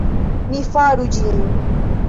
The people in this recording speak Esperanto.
Mi faru ĝin.